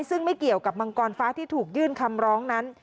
ซึ่งไม่เกี่ยวกับมังกรฟ้าที่ถูกยื่นคำร้องนั้น